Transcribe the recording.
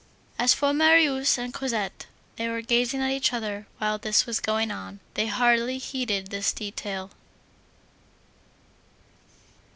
As for Marius and Cosette, they were gazing at each other while this was going on; they hardly heeded this detail.